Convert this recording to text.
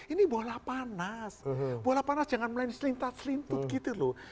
ini bola panas bola panas jangan melain selintas selintut gitu loh